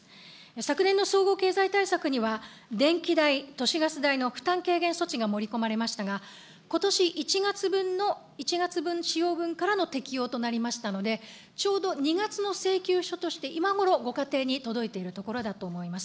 昨年の総合経済対策には、電気代、都市ガス代の負担軽減措置が盛り込まれましたが、ことし１月分の、１月分使用分からの適用からとなりましたので、ちょうど２月の請求書として、今ごろご家庭に届いているところだと思います。